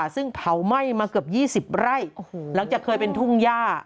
ซึ่งเผาไหม้มาเกือบ๒๐ไร่หลังจากเคยเป็นทุ่งย่า